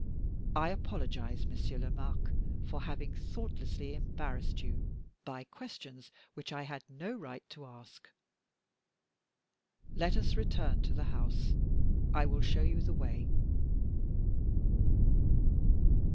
I apologize, Monsieur Lomaque, for having thoughtlessly embarrassed you by questions which I had no right to ask. Let us return to the house I will show you the way."